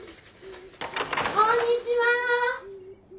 ・・こんにちは。